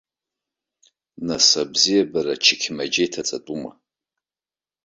Нас, абзиабара ачықьмаџьа иҭаҵатәума?!